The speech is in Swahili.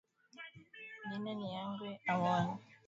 gine ni agwe awori wa eneo mbunge la